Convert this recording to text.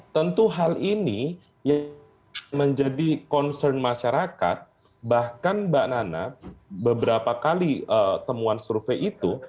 tentu hal ini yang menjadi concern masyarakat bahkan mbak nana beberapa kali temuan survei itu